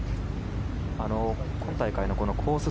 今大会のコース